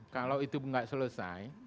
kalau itu enggak selesai